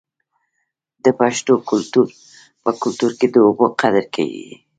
د پښتنو په کلتور کې د اوبو قدر کیږي.